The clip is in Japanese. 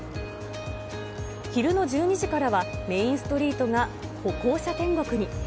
昼の１２時からはメインストリートが歩行者天国に。